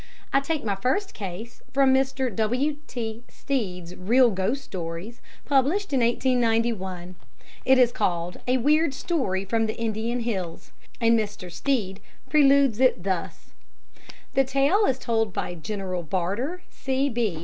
I take my first case from Mr. W.T. Stead's Real Ghost Stories, published in 1891. It is called "A Weird Story from the Indian Hills," and Mr. Stead preludes it thus: The "tale is told by General Barter, C.